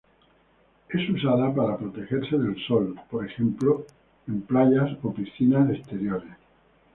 Es usada para protegerse del sol, por ejemplo en playas o piscinas exteriores.